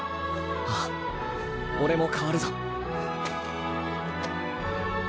ああ俺も変わるぞ。